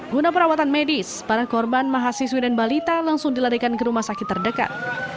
guna perawatan medis para korban mahasiswi dan balita langsung dilarikan ke rumah sakit terdekat